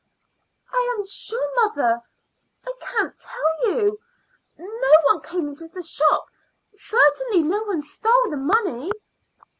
"I am sure, mother, I can't tell you. No one came into the shop; certainly no one stole the money."